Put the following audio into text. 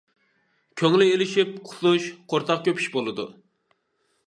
كۆڭلى ئېلىشىپ، قۇسۇش، قورساق كۆپۈش بولىدۇ.